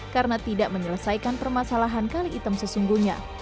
karena tidak menyelesaikan permasalahan kali item sesungguhnya